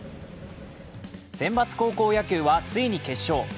選抜高校野球はついに決勝。